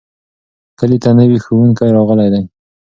کلي ته نوی ښوونکی راغلی دی.